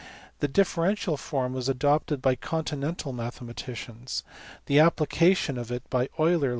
The differential form was adopted by continental mathematicians. The application of it by Euler.